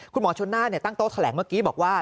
คุณหมอชนน่าตั้งโต๊ะแถลงเมื่อกี้บอกว่า